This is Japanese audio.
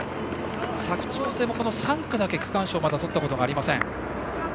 佐久長聖も３区だけ区間賞をまだとったことがありません。